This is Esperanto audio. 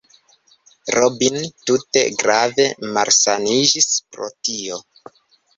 Robin tute grave malsaniĝis pro tio.